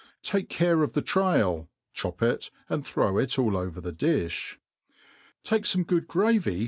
Take care of .the trail ; chop it, and throw it all over the difli. Take fome g'^od^gravy